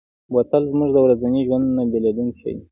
بوتل زموږ د ورځني ژوند نه بېلېدونکی شی دی.